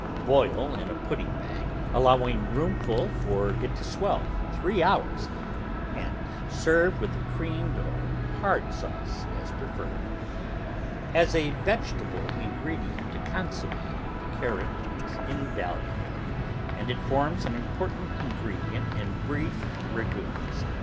Boil in a pudding bag, allowing room for it to swell, three hours, and serve with a creamed or hard sauce as preferred. As a vegetable ingredient to consomme the carrot is invaluable, and it forms an important in gredient in beef ragouts.